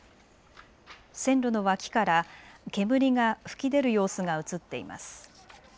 線路の脇から煙が吹き出る様子が写っています。